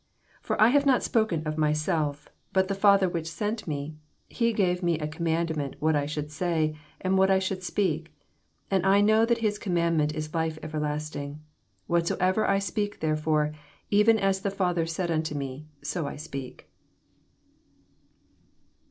49 For I have not spoken of myself, but the Father whioh sent me, he gave me a commandment, what I should say, and what I should speak. 60 And I know that his command ment is life everlasting: whatsoever I speak therefore, even as the Father said onto me, so I speak.